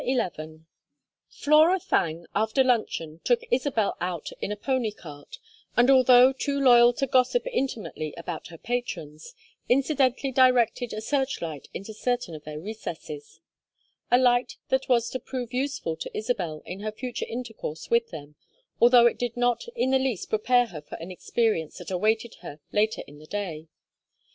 XI Flora Thangue, after luncheon, took Isabel out in a pony cart, and although too loyal to gossip intimately about her patrons, incidentally directed a search light into certain of their recesses; a light that was to prove useful to Isabel in her future intercourse with them, although it did not in the least prepare her for an experience that awaited her later in the day.